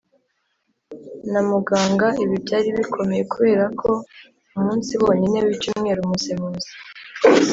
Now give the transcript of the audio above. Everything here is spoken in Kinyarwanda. na muganga Ibi byari bikomeye kuberako umunsi wonyine w icyumweru umusemuzi